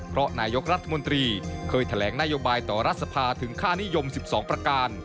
เพราะนายกรัฐมนตรีเคยแถลงนโยบายต่อรัฐสภาถึงค่านิยม๑๒ประการ